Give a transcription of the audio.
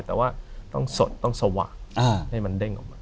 แต่ต้องสดต้องสว่าง